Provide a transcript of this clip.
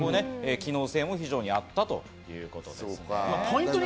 機能性も非常にあったということでね。